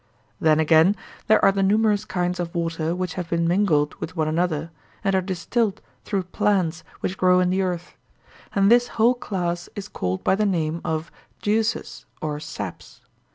Then, again, there are the numerous kinds of water which have been mingled with one another, and are distilled through plants which grow in the earth; and this whole class is called by the name of juices or saps.